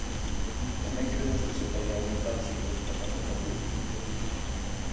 Tamén cremos que se poden aumentar os ingresos da Facenda pública.